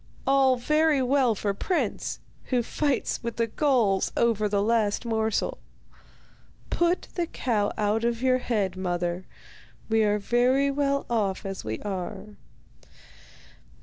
All very well for Prince, who fights with the gulls over the last morsel. Put the cow out of your head, mother, we are very well off as we are.